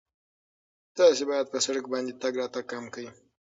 تاسو باید په سړک باندې تګ راتګ کم کړئ.